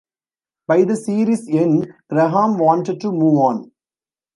By the series' end, Graham wanted to move on.